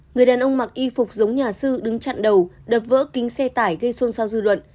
người đàn ông mặc y phục giống nhà sư đứng chặn đầu đập vỡ kính xe tải gây xôn xao dư luận